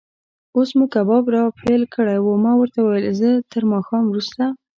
اوس مو کباب را پیل کړی و، ما ورته وویل: زه تر ماښام وروسته.